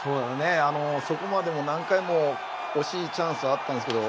そこまでも何回も惜しいチャンスはあったんですけど